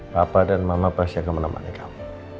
bapak dan mama pasti akan menemani kamu